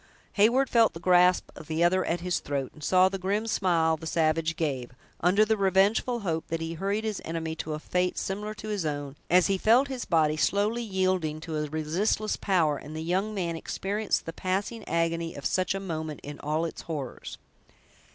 Heyward felt the grasp of the other at his throat, and saw the grim smile the savage gave, under the revengeful hope that he hurried his enemy to a fate similar to his own, as he felt his body slowly yielding to a resistless power, and the young man experienced the passing agony of such a moment in all its horrors.